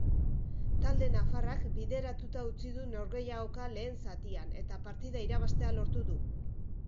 Talde nafarrak bideratuta utzi du norgehiagoka lehen zatian eta partida irabaztea lortu du.